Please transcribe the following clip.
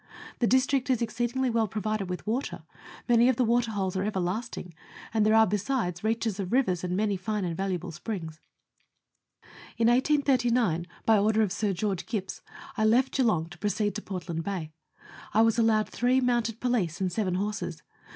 The district is exceedingly well provided with water ; many of the waterholes are everlasting, and there are besides reaches of rivers and many fine and valuable springs. letters from Victorian Pioneers. 117 In 1839, by order of Sir George Gipps, I left Geelong to proceed to Portland Bay. I was allowed three mounted police and seven horses.